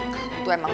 kamu tuh emang